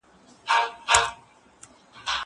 زه له سهاره درسونه تياروم!.